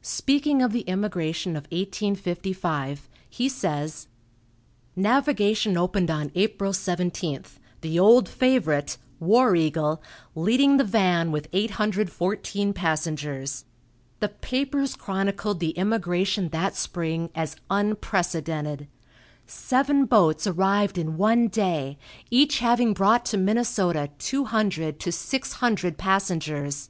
Speaking of the immigration of 1855, he says: "Navigation opened on April 17th, the old favorite, 'War Eagle,' leading the van with 814 passengers. The papers chronicled the immigration that spring as unprecedented. Seven boats arrived in one day, each having brought to Minnesota two hundred to six hundred passengers.